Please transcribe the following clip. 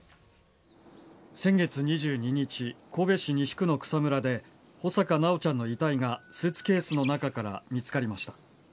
先月２２日神戸市西区の草むらで穂坂修ちゃんの遺体がスーツケースの中から見つかりました。